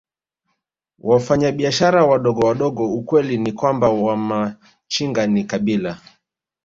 Wafanyabiashara wadogowadogo Ukweli ni kwamba Wamachinga ni kabila